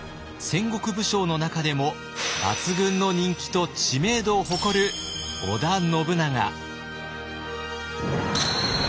戦国武将の中でも抜群の人気と知名度を誇る織田信長。